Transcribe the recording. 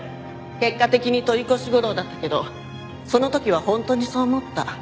結果的に取り越し苦労だったけどその時は本当にそう思った。